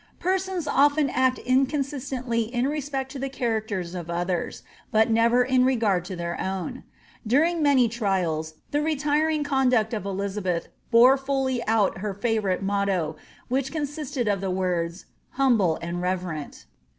Personr often aet inconsistently in respect to the characters of others, but never in regard to their own. During many trials, the retiring eon duct of Elizabeth bore fully out her &vourite motto, which consi^ed of the words ^humble and reverent.''